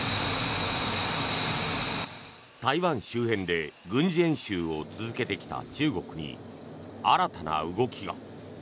台湾周辺で軍事演習を続けてきた中国に新たな動きが。